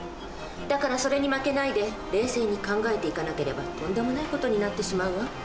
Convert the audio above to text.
だからそれに負けないで冷静に考えていかなければとんでもない事になってしまうわ。